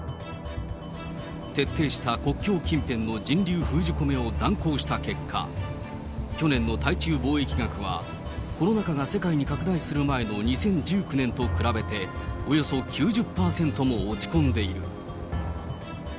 徹底した国境近辺の人流封じ込めを断行した結果、去年の対中貿易額はコロナ禍が世界に拡大する前の２０１９年と比べて、およそ９０％も落ち込んでいる。